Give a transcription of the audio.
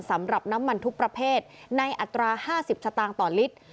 สำหรับน้ำมันทุกประเภทในอัตรา๕๐สตางค์ต่อลิตร